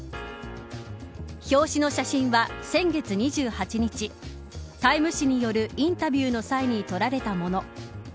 表紙の写真は先月２８日タイム誌によるインタビューの際に撮られたもの。